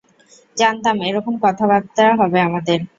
জানতাম, এরকম কথাবার্তা হবে আমাদের!